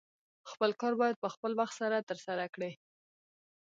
خپل کار باید په خپل وخت سره ترسره کړې